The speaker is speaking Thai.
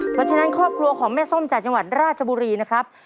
เพราะฉะนั้นครอบครัวของแม่ส้มจากจังหวัดราชบุรีนะครับ